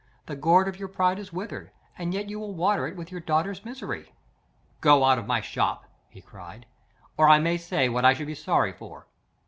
The gourd of your pride is withered, and yet you will water it with your daughter's misery." "Go out of my shop," he cried; "or I may say what I should be sorry for."